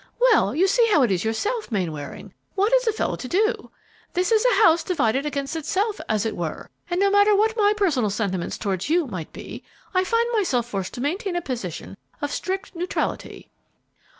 "Well, you see how it is yourself, Mainwaring: what is a fellow to do? This is a house divided against itself, as it were, and no matter what my personal sentiments towards you might be, I find myself forced to maintain a position of strict neutrality."